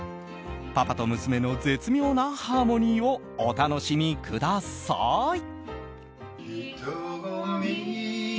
パパと娘の絶妙なハーモニーをお楽しみください。